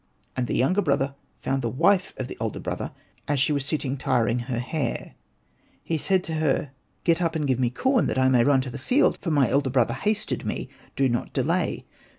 *' And the younger brother found the wife of his elder brother, as she was sitting tiring her hair. He said to her, " Get up, and give to me Hosted by Google 40 ANPU AND BATA corn, that I may run to the field, for my elder brother hastened me ; do not delay."